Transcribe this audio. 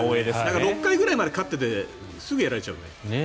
６回くらいまで勝っててすぐやられちゃうよね。